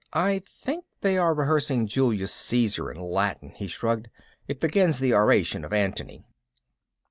"I think they are rehearsing Julius Caesar in Latin." He shrugged. "It begins the oration of Antony."